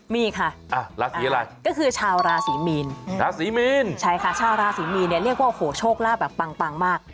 มีค่ะก็คือชาวราศรีมีนใช่ค่ะชาวราศรีมีนเนี่ยเรียกว่าโอ้โหโชคลาบแบบปังมาก